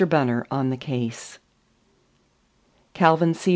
BUNNER ON THE CASE "Calvin C.